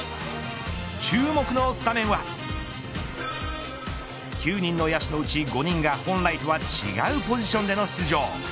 注目のスタメンは９人の野手のうち５人が本来とは違うポジションでの出場。